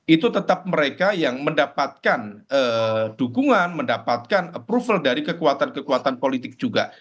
itu tetap mereka yang mendapatkan dukungan mendapatkan approval dari kekuatan kekuatan politik juga